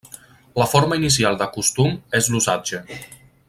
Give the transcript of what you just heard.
La forma inicial de Costum és l'Usatge.